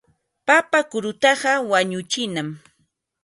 Papa kurutaqa wañuchinam.